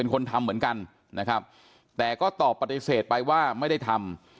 คนทำเหมือนกันนะครับแต่ก็ตอบปฏิเสธไปว่าไม่ได้ทำ